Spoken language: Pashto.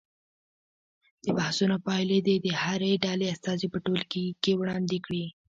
د بحثونو پایلې دې د هرې ډلې استازي په ټولګي کې وړاندې کړي.